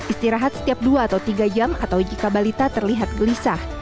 istirahat setiap dua atau tiga jam atau jika balita terlihat gelisah